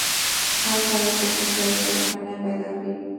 هر سړی کوښښ کوي یو بهرنی پیدا کړي.